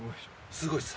すごいっす。